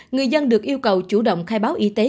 người dân được yêu cầu chủ động khai báo y tế